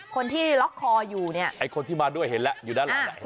คนที่ล็อกคออยู่เนี่ยไอ้คนที่มาด้วยเห็นแล้วอยู่ด้านหลังไหน